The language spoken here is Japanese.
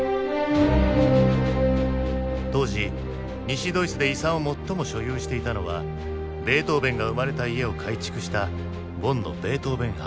当時西ドイツで遺産を最も所有していたのはベートーヴェンが生まれた家を改築したボンのベートーヴェン・ハウス。